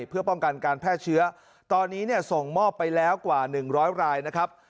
เพื่อป้องกันการแพร่เชื้อตอนนี้เนี่ยส่งมอบไปแล้วกว่า๑๐๐รายนะครับ